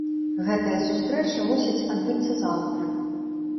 Гэтая сустрэча мусіць адбыцца заўтра.